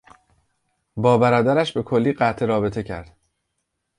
با برادرش به کلی قطع رابطه کرد.